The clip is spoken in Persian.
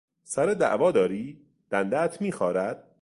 سر دعوا داری؟ دندهات میخارد؟